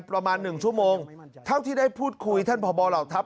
ประมาณหนึ่งชั่วโมงให้ที่ได้พูดคุยท่านผอบบหลกทัพ